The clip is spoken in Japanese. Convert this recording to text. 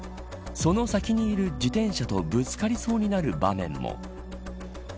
その先にいる自転車とぶつかりそうになる場面も。